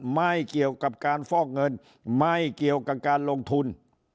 ไม่เกี่ยวกับการฟอกเงินไม่เกี่ยวกับการลงทุน